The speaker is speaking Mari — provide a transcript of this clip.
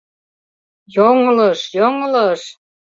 «Йоҥылыш, йоҥылыш!..»